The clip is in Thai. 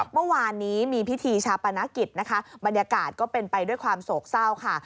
เมื่อวานนี้มีพิธีชาปนกิจนะคะบรรยากาศก็เป็นไปด้วยความโศกเศร้าค่ะ